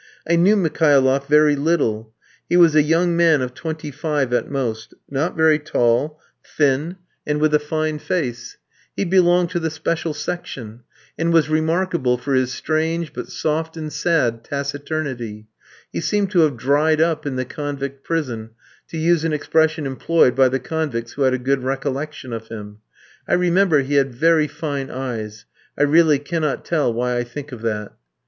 I knew Mikhailoff very little; he was a young man of twenty five at most, not very tall, thin, and with a fine face; he belonged to the "special section," and was remarkable for his strange, but soft and sad taciturnity; he seemed to have "dried up" in the convict prison, to use an expression employed by the convicts who had a good recollection of him. I remember he had very fine eyes. I really cannot tell why I think of that.